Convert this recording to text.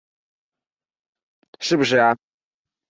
分布于台湾中高海拔的潮湿地。